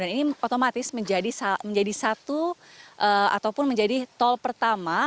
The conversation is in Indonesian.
dan ini otomatis menjadi satu ataupun menjadi tol pertama